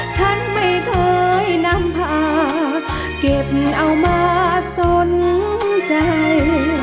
ฉันไม่เคยนำพาเก็บเอามาสนใจ